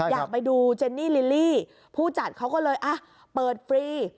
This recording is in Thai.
อยากไปดูเจนนี่ลิลลี่ผู้จัดเขาก็เลยอ่ะเปิดฟรี